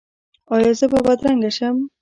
ایا زه به بدرنګه شم؟